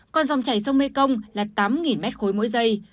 còn dòng chảy sông mekong là tám mét khối mỗi dây